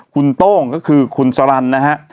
คุณโต้งก็คือคุณสรรนะฮะ